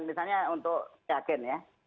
misalnya untuk kagen ya